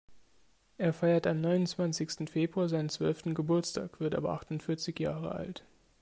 Er feiert am neunundzwanzigsten Februar seinen zwölften Geburtstag, wird aber achtundvierzig Jahre alt.